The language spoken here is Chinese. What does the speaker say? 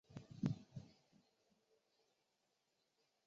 顶骨缺少中线骨架的最前缘。